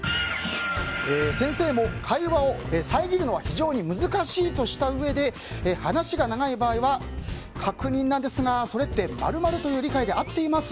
先生も会話を遮るのは非常に難しいとしたうえで話が長い場合は確認なんですがそれって○○という理解で合っています？